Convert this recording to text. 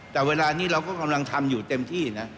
แต่เวลานี้เราก็กำลังทำอยู่เต็มที่นะ